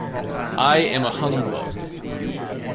I am a humbug.